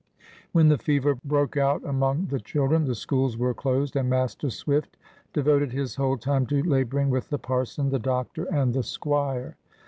When the fever broke out among the children, the schools were closed, and Master Swift devoted his whole time to laboring with the parson, the doctor, and the Squire.